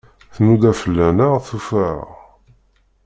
Tnuda fell-aneɣ, tufa-aɣ.